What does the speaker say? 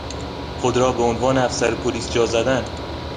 خود را به عنوان افسر پلیس جا زدن